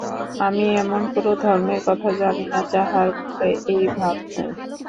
আমি এমন কোন ধর্মের কথা জানি না, যাহার মূলে এই ভাব নাই।